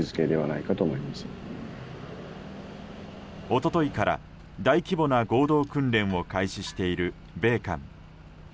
一昨日から大規模な合同訓練を開始している米韓。